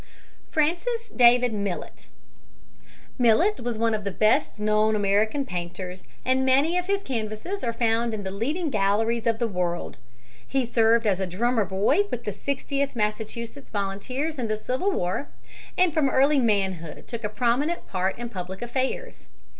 FRANCIS DAVID MILLET Millet was one of the best known American painters and many of his canvasses are found in the leading galleries of the world. He served as a drummer boy with the Sixtieth Massachusetts volunteers in the Civil War, and from early manhood took a prominent part in public affairs.